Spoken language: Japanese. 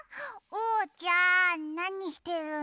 おうちゃんなにしてるの？